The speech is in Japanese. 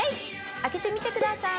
開けてみてください。